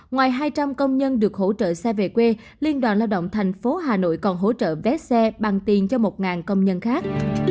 ngoài hai trăm linh công nhân được hỗ trợ xe về quê liên đoàn lao động tp hà nội còn hỗ trợ vé xe bằng tiền cho một công nhân khác